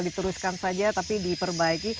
diteruskan saja tapi diperbaiki